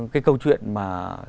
cái câu chuyện mà